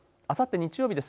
あさって日曜日です。